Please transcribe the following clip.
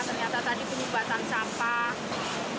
ternyata tadi penyumbatan sampah